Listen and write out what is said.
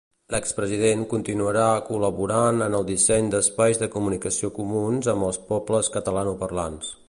L'expresident continuarà col·laborant en el disseny d'espais de comunicació comuns amb els pobles catalanoparlants.